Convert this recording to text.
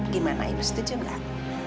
gimana ibu setuju gak